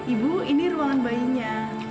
ibu ini ruangan bayinya